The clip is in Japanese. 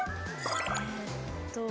えっと。